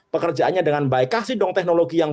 pekerjaannya dengan baik